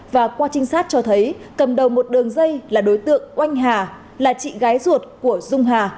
và qua trinh sát cho thấy cầm đầu một đường dây là đối tượng oanh hà là chị gái ruột của dung hà